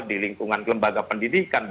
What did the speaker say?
di lingkungan kelembaga pendidikan